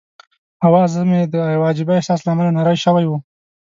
اواز مې د یوه عجيبه احساس له امله نری شوی وو.